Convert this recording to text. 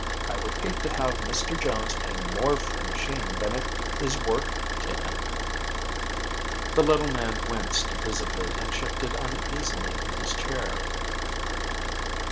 I would hate to have Mr. Jones pay more for the machine than it is worth to him." The little man winced visibly and shifted uneasily in his chair.